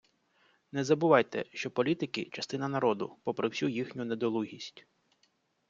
Не забувайте, що політики - частина народу, попри всю їхню недолугість.